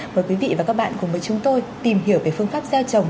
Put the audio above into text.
mời quý vị và các bạn cùng với chúng tôi tìm hiểu về phương pháp gieo trồng